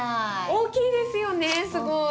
大きいですよねすごい。